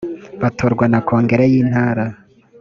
batorwa na kongere y’intara